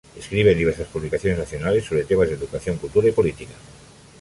Escribe en diversas publicaciones nacionales sobre temas de educación, cultura y política.